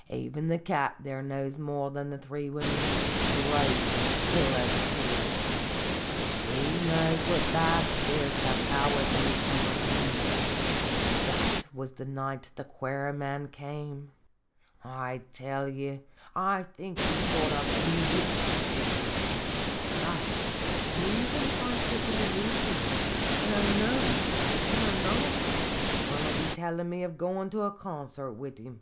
" Even the cat there knows more than the three women ; grave an' still as she is, she knows what bad spirits have power at Mid summer Eve, an' that was the night the quare man kem. "I tell ye, I think he's sort o' bewitched Sittgefc iflottys. 53 the sisters. They aven think they are wid him whin 1 know they are not. One will be tellin' me of goin' to a concert wid him.